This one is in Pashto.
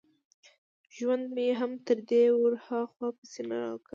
ژوند مې هم تر دې ور هاخوا پيسې نه را کوي.